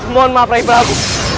mohon maaf rai prabu